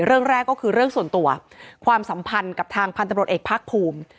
เรื่องแรกก็คือเรื่องส่วนตัวความสัมพันธ์กับทางพันธบรวจเอกภาคภูมิ